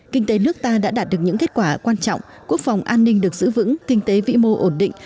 kinh tế nước ta đã đạt được những kết quả quan trọng quốc phòng an ninh được giữ vững kinh tế vĩ mô ổn định